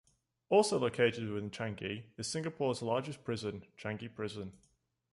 Also located within Changi is Singapore's largest prison, Changi Prison.